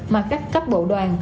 mà các cấp bộ đoàn